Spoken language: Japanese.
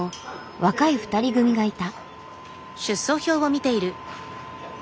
若い２人組がいた。